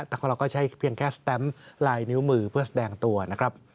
แต่เราก็ใช้เพียงแค่สแตมป์ลายนิ้วมือเพื่อแสดงตัวนะครับ